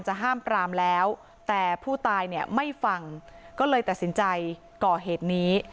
ห้ามปรามแล้วแต่ผู้ตายเนี่ยไม่ฟังก็เลยตัดสินใจก่อเหตุนี้